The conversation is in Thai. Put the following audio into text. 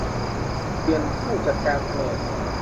เรียนผู้จัดการแผนก